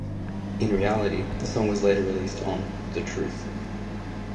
In reality, the song was later released on "The Truth".